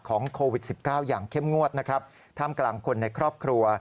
โควิด๑๙อย่างเข้มงวดนะครับท่ามกลางคนในครอบครัว